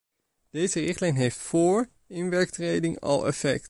Deze richtlijn heeft vóór inwerkingtreding al effect.